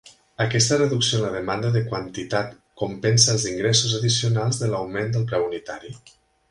Aquesta reducció en la demanda de quantitat compensa els ingressos addicionals de l"augment del preu unitari.